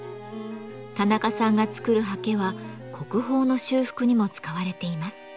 田中さんが作る刷毛は国宝の修復にも使われています。